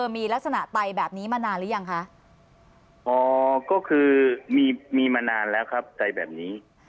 มีมานานแล้วครับไตแบบนี้